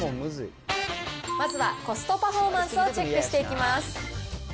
まずはコストパフォーマンスをチェックしていきます。